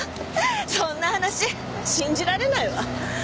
そんな話信じられないわ。